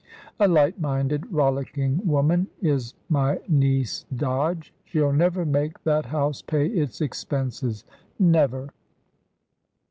"A light minded, rollicking woman is my niece Dodge. She'll never make that house pay its expenses never!"